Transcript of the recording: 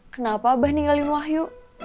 kenapa abah ninggalin wahyu